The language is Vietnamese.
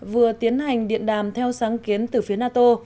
vừa tiến hành điện đàm theo sáng kiến từ phía nato